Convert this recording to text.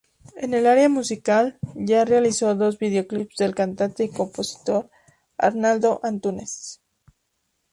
En el área musical, ya realizó dos videoclips del cantante y compositor Arnaldo Antunes.